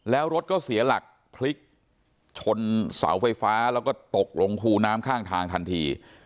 แล้วรถก็เสียหลักพลิกชนเสาไฟฟ้าแล้วก็ตกลงคูน้ำข้างทางทันที